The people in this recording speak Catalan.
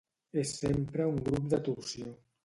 És sempre un grup de torsió.